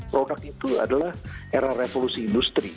produk itu adalah era revolusi industri